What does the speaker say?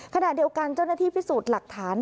ขณะเดียวกันเจ้าหน้าที่พิสูจน์หลักฐาน